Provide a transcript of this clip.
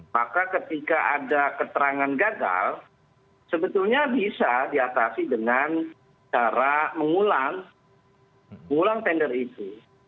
maka ketika ada keterangan gagal sebetulnya bisa diatasi dengan cara mengulang tender itu